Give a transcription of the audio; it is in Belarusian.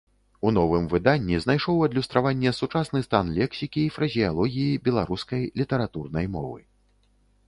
У новым выданні знайшоў адлюстраванне сучасны стан лексікі і фразеалогіі беларускай літаратурнай мовы.